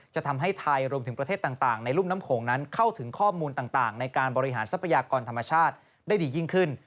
จะทำให้ไทยรวมถึงประเทศต่างในรุ่มน้ำโขงนั้นเข้าถึงข้อมูลต่างในการบริหารทรัพยากรธรรมชาติได้ดียิ่งขึ้น